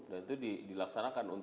dan itu dilaksanakan untuk